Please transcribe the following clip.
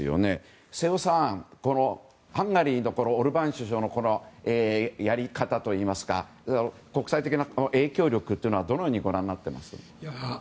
瀬尾さん、ハンガリーのオルバーン首相のやり方といいますか国際的な影響力どのようにご覧になってます？